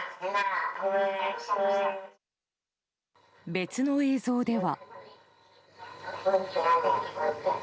別の映像では。